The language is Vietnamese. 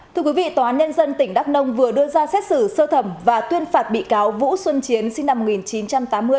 thưa quý vị tòa án nhân dân tỉnh đắk nông vừa đưa ra xét xử sơ thẩm và tuyên phạt bị cáo vũ xuân chiến sinh năm một nghìn chín trăm tám mươi